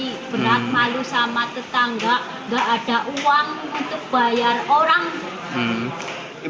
berat malu sama tetangga gak ada uang untuk bayar orang